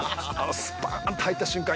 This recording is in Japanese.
スパーンと入った瞬間